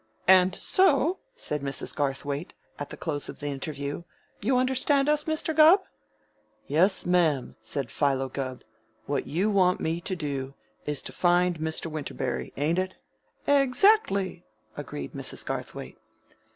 "And so," said Mrs. Garthwaite, at the close of the interview, "you understand us, Mr. Gubb?" "Yes, ma'am," said Philo Gubb. "What you want me to do, is to find Mr. Winterberry, ain't it?" "Exactly," agreed Mrs. Garthwaite.